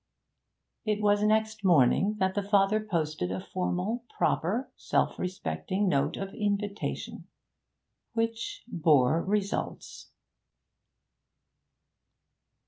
It was next morning that the father posted a formal, proper, self respecting note of invitation, which bore results.